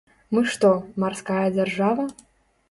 Мы што, марская дзяржава?